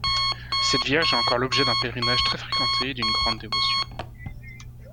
Cette Vierge est encore l'objet d'un pèlerinage très fréquenté et d'une grande dévotion.